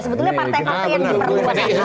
sebetulnya partai partai yang diperlukan